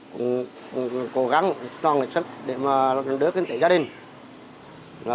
mình cũng cố gắng cho người sinh để mà đưa kinh tế cho gia đình